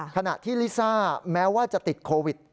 ขณะที่ลิซ่าแม้ว่าจะติดโควิด